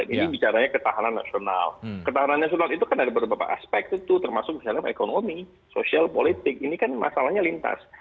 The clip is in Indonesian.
ini bicaranya ketahanan nasional ketahanan nasional itu kan ada beberapa aspek itu termasuk misalnya ekonomi sosial politik ini kan masalahnya lintas